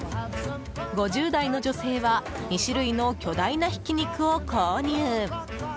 ５０代の女性は２種類の巨大なひき肉を購入。